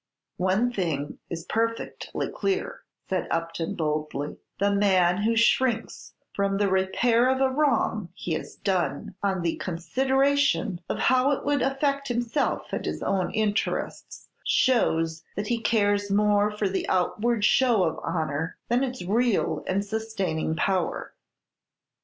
"One thing is perfectly clear," said Upton, boldly, "the man who shrinks from the repair of a wrong he has done, on the consideration of how it would affect himself and his own interests, shows that he cares more for the outward show of honor than its real and sustaining power."